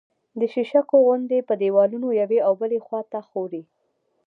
د شیشکو غوندې په دېوالونو یوې او بلې خوا ته ښوري